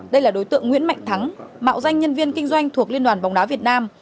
đây là đối tượng nguyễn mạnh thắng mạo danh nhân viên kinh doanh thuộc liên đoàn bóng đá việt nam